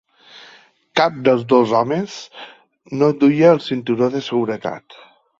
Cap dels dos homes no duia el cinturó de seguretat.